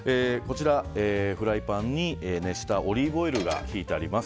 フライパンに熱したオリーブオイルがひいてあります。